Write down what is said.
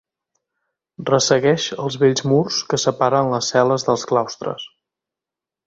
Ressegueix els vells murs que separen les cel·les dels claustres.